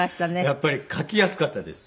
やっぱり描きやすかったです。